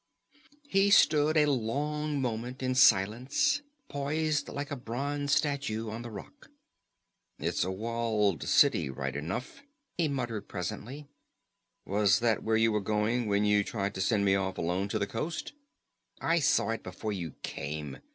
He stood a long moment in silence, posed like a bronze statue on the rock. "It's a walled city, right enough," he muttered presently. "Was that where you were going, when you tried to send me off alone to the coast?" "I saw it before you came.